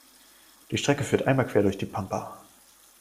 Die Strecke führt einmal quer durch die Pampa.